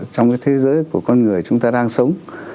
trong cái thế giới của con người chúng ta đang sống